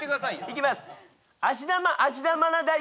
いきます！